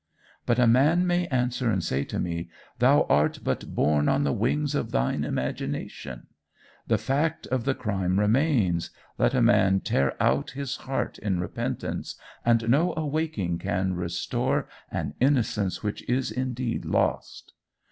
"But a man may answer and say to me 'Thou art but borne on the wings of thine imagination. The fact of the crime remains, let a man tear out his heart in repentance, and no awaking can restore an innocence which is indeed lost.